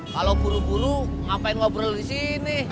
kalau buru buru ngapain ngobrol di sini